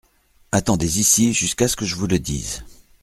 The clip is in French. Attendez ici jusqu’à ce que je vous le dise.